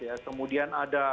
saya sampaikan tadi kan ada klhs